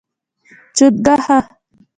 🐸 چنګوښه